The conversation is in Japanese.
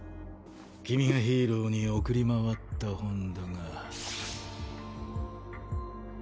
君がヒーローにおくりまわった本だが。